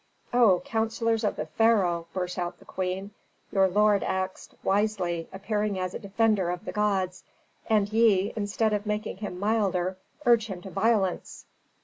"O counsellors of the pharaoh!" burst out the queen. "Your lord acts wisely, appearing as a defender of the gods, and ye, instead of making him milder, urge him to violence."